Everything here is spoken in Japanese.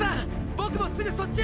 僕もすぐそっちへ！